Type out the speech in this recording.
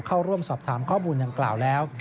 เข้าร่วมสอบถามข้อมูลดังกล่าวแล้ว